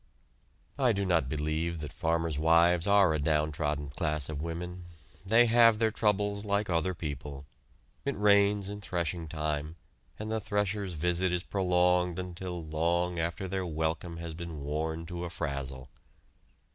I do not believe that farmers' wives are a down trodden class of women. They have their troubles like other people. It rains in threshing time, and the threshers' visit is prolonged until long after their welcome has been worn to a frazzle!